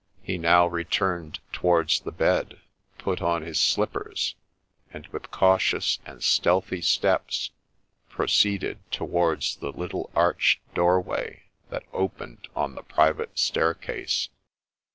He now returned towards the bed ; put on his slippers, and, with cautious and stealthy steps, proceeded towards the little arched doorway that opened on the private staircase.